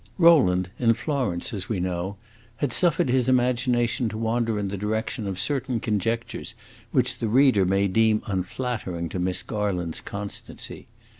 Rowland, in Florence, as we know, had suffered his imagination to wander in the direction of certain conjectures which the reader may deem unflattering to Miss Garland's constancy.